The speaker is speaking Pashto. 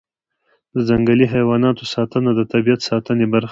د ځنګلي حیواناتو ساتنه د طبیعت ساتنې برخه ده.